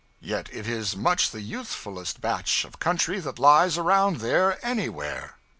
Yet it is much the youthfullest batch of country that lies around there anywhere.